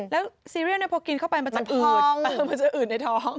แล้วซีเรียลนี่พอกินเข้าไปมันจะอืดในท้อง